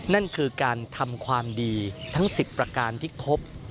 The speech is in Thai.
นั่นคือการทำความดีทั้ง๑๐ประการที่ครบ